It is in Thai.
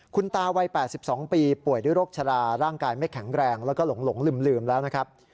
คุณตาวัย๘๒ปีป่วยด้วยโรคชะลาร่างกายไม่แข็งแรงแล้วก็หลงลืมแล้วนะครับ